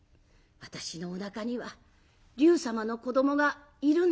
私のおなかには龍様の子どもがいるんです」。